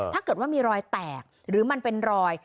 ถ้าเกิดว่ามีรอยแตกหรือมันเป็นรอย